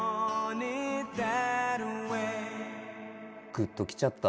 グッときちゃった。